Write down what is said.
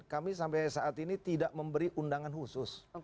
kami sampai saat ini tidak memberi undangan khusus